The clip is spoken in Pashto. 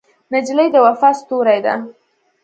نجلۍ د وفا ستورې ده.